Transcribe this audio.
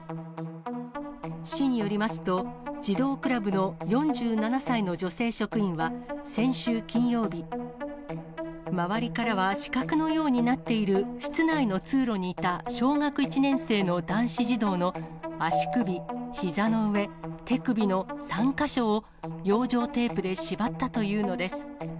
市によりますと、児童クラブの４７歳の女性職員は先週金曜日、周りからは死角のようになっている室内の通路にいた、小学１年生の男子児童の足首、ひざの上、手首の３か所を養生テープで縛ったというのです。